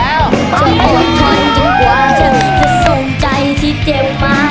เอาแล้ว